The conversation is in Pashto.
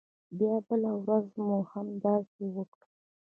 بیا بله ورځ مو هم همداسې وکړل.